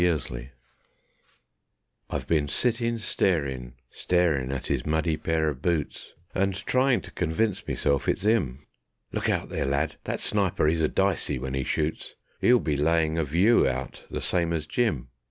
My Mate I've been sittin' starin', starin' at 'is muddy pair of boots, And tryin' to convince meself it's 'im. (Look out there, lad! That sniper 'e's a dysey when 'e shoots; 'E'll be layin' of you out the same as Jim.)